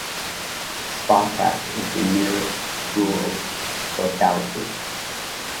Spartak is the nearest rural locality.